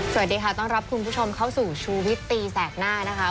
สวัสดีค่ะต้อนรับคุณผู้ชมเข้าสู่ชูวิตตีแสกหน้านะคะ